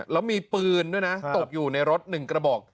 แล้วมีปืนด้วยนะตกอยู่ในรถ๑กระบอก